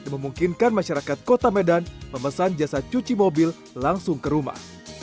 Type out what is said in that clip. memungkinkan masyarakat kota medan memesan jasa cuci mobil langsung ke rumah